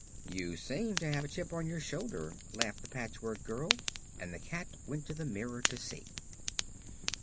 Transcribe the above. "You seem to have a chip on your shoulder," laughed the Patchwork Girl, and the cat went to the mirror to see.